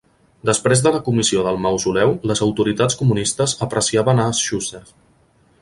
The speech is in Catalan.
Després de la comissió del mausoleu, les autoritats comunistes apreciaven a Shchusev.